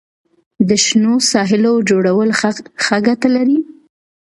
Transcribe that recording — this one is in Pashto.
د شنو ساحو جوړول څه ګټه لري؟